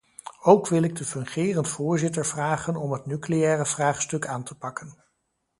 Ook wil ik de fungerend voorzitter vragen om het nucleaire vraagstuk aan te pakken.